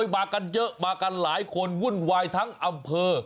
มากันเยอะมากันหลายคนวุ่นวายทั้งอำเภอ